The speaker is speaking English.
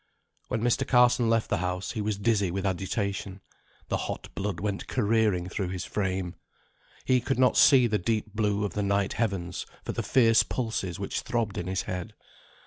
When Mr. Carson left the house he was dizzy with agitation; the hot blood went careering through his frame. He could not see the deep blue of the night heavens for the fierce pulses which throbbed in his head.